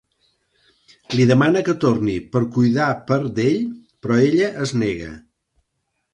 Li demana que torni per cuidar per d'ell, però ella es nega.